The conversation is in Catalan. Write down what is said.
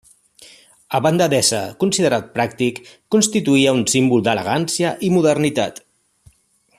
A banda d'ésser considerat pràctic, constituïa un símbol d'elegància i modernitat.